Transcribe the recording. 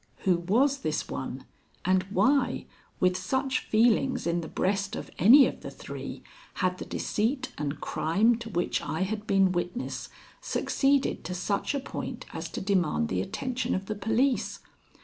Who was this one, and why, with such feelings in the breast of any of the three, had the deceit and crime to which I had been witness succeeded to such a point as to demand the attention of the police?